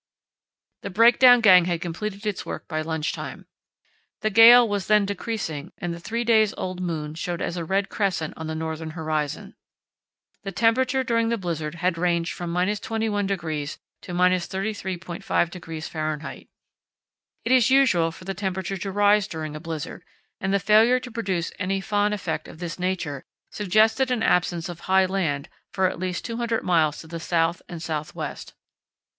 The breakdown gang had completed its work by lunch time. The gale was then decreasing and the three days old moon showed as a red crescent on the northern horizon. The temperature during the blizzard had ranged from –21° to –33.5° Fahr. It is usual for the temperature to rise during a blizzard, and the failure to produce any Föhn effect of this nature suggested an absence of high land for at least 200 miles to the south and south west.